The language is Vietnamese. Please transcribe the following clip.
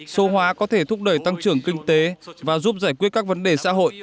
số hóa có thể thúc đẩy tăng trưởng kinh tế và giúp giải quyết các vấn đề xã hội